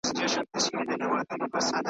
لکه شمع په خپل ځان کي ویلېدمه .